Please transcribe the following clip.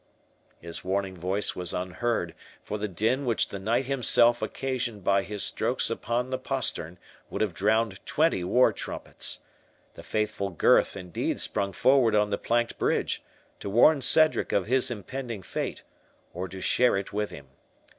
His warning voice was unheard, for the din which the knight himself occasioned by his strokes upon the postern would have drowned twenty war trumpets. The faithful Gurth indeed sprung forward on the planked bridge, to warn Cedric of his impending fate, or to share it with him.